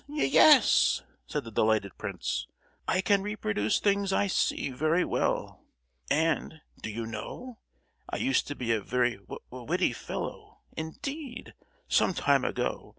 ye—yes!" said the delighted prince. "I can reproduce things I see, very well. And, do you know, I used to be a very wi—witty fellow indeed, some time ago.